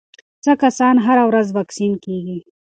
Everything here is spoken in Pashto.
څه کسان هره ورځ واکسین کېږي؟